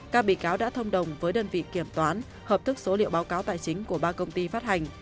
các bị cáo đã thông đồng với đơn vị kiểm toán hợp thức số liệu báo cáo tài chính của ba công ty phát hành